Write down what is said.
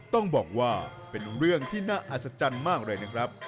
ต้องบอกว่าเป็นเรื่องที่น่าอัศจรรย์มากเลยนะครับ